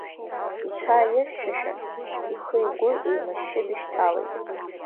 Иҽааирхьшәашәан, ихы-игәы еимашьшьы дышьҭалеит.